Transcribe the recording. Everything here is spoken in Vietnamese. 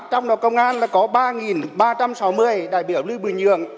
trong đó công an có ba ba trăm sáu mươi đại biểu lưu bình nhưỡng